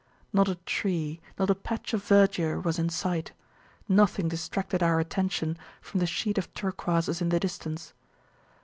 Not a tree, not a patch of verdure was in sight ; nothing distracted our attention from the sheet of turquoises in the distance.